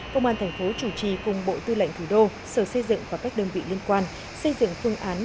công an thành phố chủ trì cùng bộ tư lệnh thủ đô sở xây dựng và các đơn vị liên quan xây dựng phương án